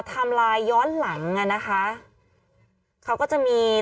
กล้องกว้างอย่างเดียว